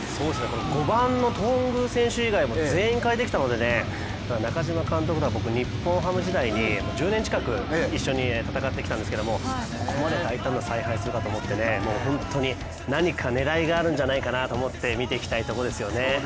５番の頓宮選手以外を全員変えてきたので中嶋監督とは日本ハム時代に１０年近く一緒に戦ってきたんですけどここまで大胆な采配するかと思ってね、本当に何か狙いがあるんじゃないかなと思って見ていきたいところですよね。